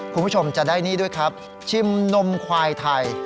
คุณผู้ชมจะได้นี่ด้วยครับชิมนมควายไทย